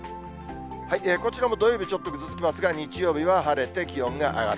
こちらも土曜日、ちょっとぐずつきますが、日曜日は晴れて、気温が上がる。